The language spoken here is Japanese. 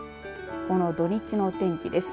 この土日の天気です。